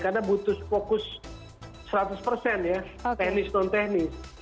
karena butuh fokus seratus ya teknis non teknis